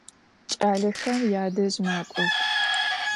Ç'alexer yadej mak'ox.